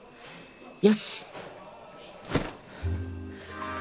よし！